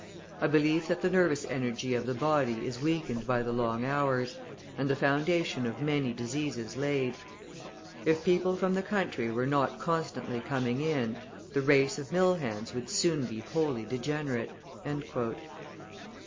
I believe that the nervous energy of the body is weakened by the long hours, and the foundation of many diseases laid. If people from the country were not constantly coming in, the race of mill hands would soon be wholly degenerate."